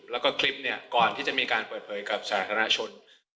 แล้วก็คลิปเนี่ยก่อนที่จะมีการเปิดเผยกับสาธารณชน